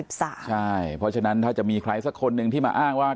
เพราะฉะนั้นถ้าจะมีใครสักคนหนึ่งที่มาอ้างว่า